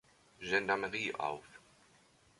Gendarmerie auf.